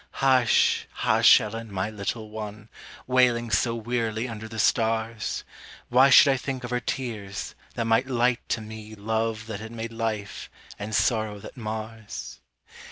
Hush, hush, Ellen, my little one, Wailing so wearily under the stars; Why should I think of her tears, that might light to me Love that had made life, and sorrow that mars?